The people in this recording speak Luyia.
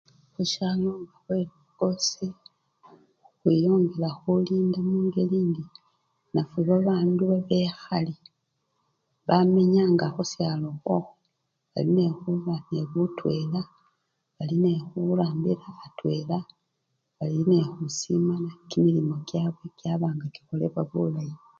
Khusyalo nga khwelukosi, khwiyongela khulindi mungeli indi nafwe babandu babekhali bamenyanga khushalo okhwokhwo bali nekhuba ne butwela, bali nekhurambila atwela balinekhusimana kimilimo kyabwe kyaba nga kikholebwa bulayi.